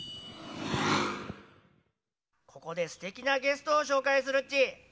ここですてきなゲストをしょうかいするっち。